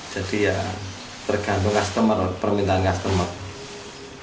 jadi ya tergantung permintaan pelanggan